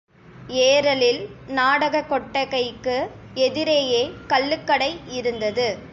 ஏரலில் நாடகக் கொட்டகைக்கு எதிரேயே கள்ளுக்கடை இருந்தது.